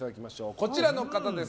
こちらの方です！